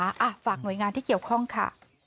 อ่ะฝากหน่วยงานที่เกี่ยวข้องค่ะ